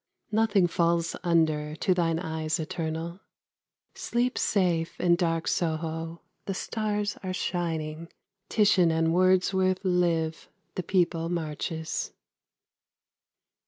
Nothing falls under, to thine eyes eternal. Sleep safe in dark Soho: the stars are shining; Titian and Wordsworth live; the People marches.